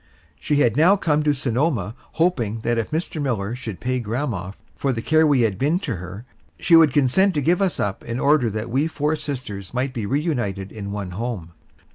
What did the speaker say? She had now come to Sonoma hoping that if Mr. Miller should pay grandma for the care we had been to her, she would consent to give us up in order that we four sisters might be reunited in one home.